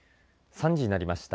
３時になりました。